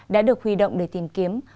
đã được huy động để tìm kiếm